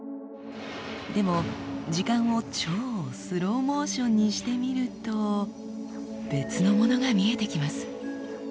でも時間を超スローモーションにしてみると別のものが見えてきます。